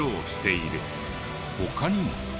他にも。